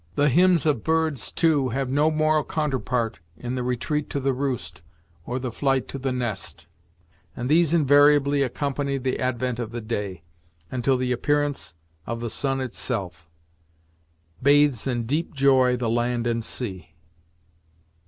The hymns of birds, too, have no moral counterpart in the retreat to the roost, or the flight to the nest, and these invariably accompany the advent of the day, until the appearance of the sun itself "Bathes in deep joy, the land and sea."